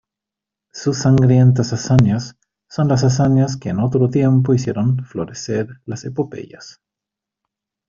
sus sangrientas hazañas son las hazañas que en otro tiempo hicieron florecer las epopeyas.